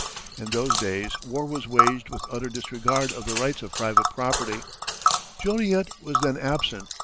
In those days war was waged with utter disregard of the rights of private property. Joliet was then absent.